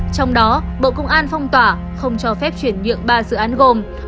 trong đó bộ công an phong tỏa không cho phép chuyển nhượng ba dự án gồm